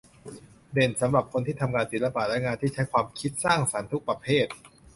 เด่นสำหรับคนที่ทำงานศิลปะและงานที่ใช้ความคิดสร้างสรรค์ทุกประเภท